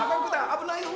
危ないよ